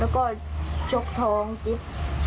แล้วก็ชกท้องกิ๊บ